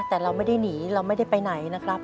แต่เราไม่ได้หนีเราไม่ได้ไปไหนนะครับ